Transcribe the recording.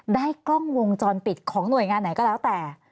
ได้กล้องวงจรปิดของหน่วยงานไหนก็แล้วแต่